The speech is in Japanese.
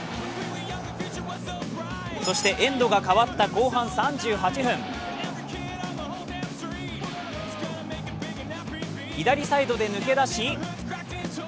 そして、エンドが変わった後半３８分左サイドで抜け出し